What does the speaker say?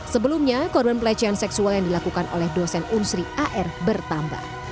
sebelumnya korban pelecehan seksual yang dilakukan oleh dosen unsri ar bertambah